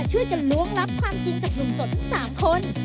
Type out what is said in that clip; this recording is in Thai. ช่วยกันล้วงลับความจริงจากหนุ่มโสดทั้ง๓คน